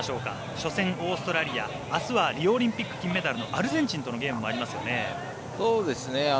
初戦、オーストラリアあすはリオオリンピック銀メダルアルゼンチンとの試合がありますよね。